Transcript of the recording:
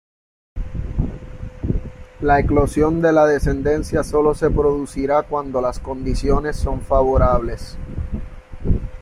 La eclosión de la descendencia sólo se producirá cuando las condiciones son favorables.